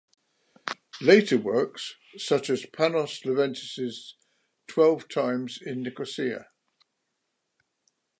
Later works, such as Panos Leventis' Twelve Times in Nicosia.